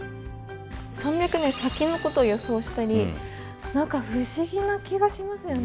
３００年先のことを予想したり何か不思議な気がしますよね。